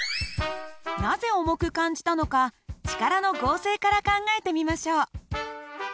なぜ重く感じたのか力の合成から考えてみましょう。